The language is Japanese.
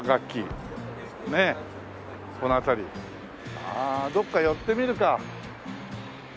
ああどっか寄ってみるか。